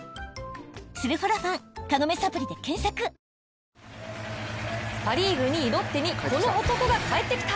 続くパ・リーグ２位、ロッテにこの男が帰ってきた。